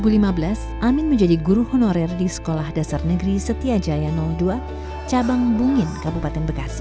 sebagai salah satu teman amin menjadi guru honorer di sekolah dasar negeri setiajaya dua cabang bungin kabupaten bekasi